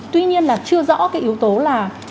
tuy nhiên là chưa rõ cái yếu tố là